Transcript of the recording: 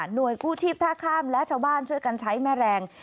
กู้ชีพท่าข้ามและชาวบ้านช่วยกันใช้แม่แรง